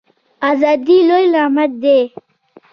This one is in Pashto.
ازادي لوی نعمت دی